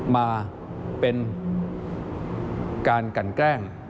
มาเป็นการกันแกล้ง